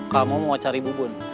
kamu mau cari bu bun